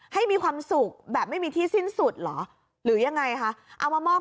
ให้มีความสุขแบบไม่มีที่สิ้นสุดเหรอหรือยังไงคะเอามามอบ